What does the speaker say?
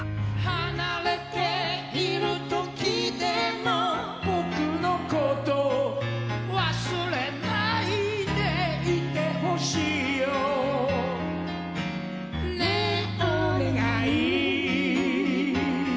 離れている時でもぼくのこと忘れないでいてほしいよねぇおねがい